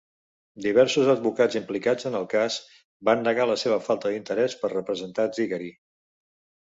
Diversos advocats implicats en el cas, van negar la seva falta d'interès per representar Zicari.